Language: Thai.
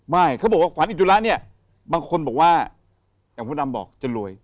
เขาบอกว่าขวัญอิจจุระเนี่ยบางคนบอกว่าอย่างมดดำบอกจะรวย